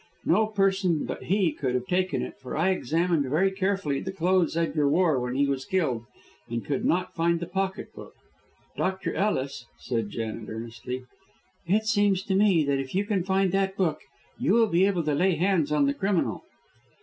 No person but he could have taken it, for I examined very carefully the clothes Edgar wore when he was killed, and could not find the pocket book. Dr. Ellis," said Janet, earnestly, "it seems to me that if you can find that book, you will be able to lay hands on the criminal."